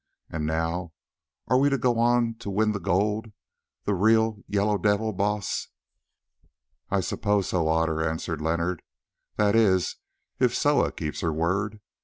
And now are we to go on to win the gold—the real Yellow Devil, Baas?" "I suppose so, Otter," answered Leonard—"that is, if Soa keeps her word.